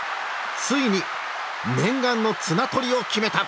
ついに念願の綱取りを決めた。